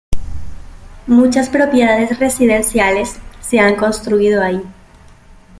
Muchas propiedades residenciales, se han construido ahí.